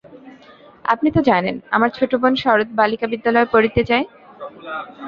আপনি তো জানেন, আমার ছোটো বোন শরৎ বালিকা-বিদ্যালয়ে পড়িতে যায়।